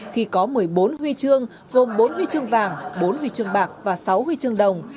khi có một mươi bốn huy chương gồm bốn huy chương vàng bốn huy chương bạc và sáu huy chương đồng